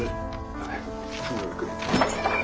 はい。